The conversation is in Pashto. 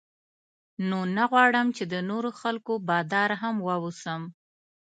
نو نه غواړم چې د نورو خلکو بادار هم واوسم.